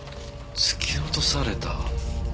突き落とされた？